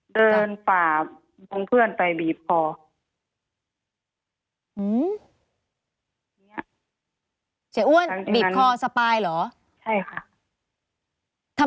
เสียอ้วนบีบคอสปายเหรอ